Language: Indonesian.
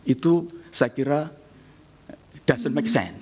itu saya kira tidak berpengaruh